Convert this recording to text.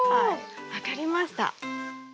分かりました。